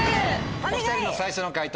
お２人の最初の解答